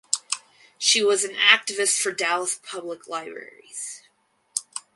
She was an activist for Dallas public libraries.